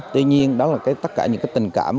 tuy nhiên đó là tất cả những tình cảm